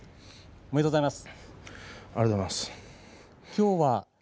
おめでとうございます。